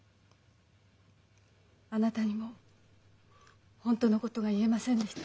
あなたにも本当のことが言えませんでした。